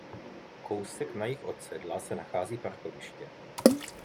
Kousek na jih od sedla se nachází parkoviště.